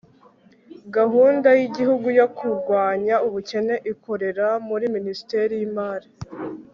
gahunda y'igihugu yo kurwanya ubukene ikorera muri minisiteri y'lmari